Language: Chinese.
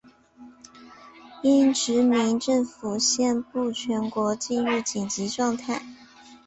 英殖民政府宣布全国进入紧急状态。